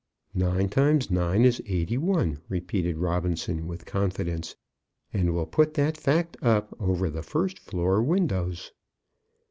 "Nine times nine is eighty one," repeated Robinson with confidence, "and we'll put that fact up over the first floor windows."